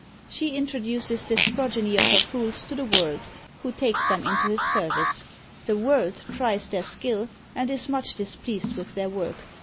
She introduces this progeny of her fools to the World, who takes them into his service. The World tries their skill, and is much displeased with their work.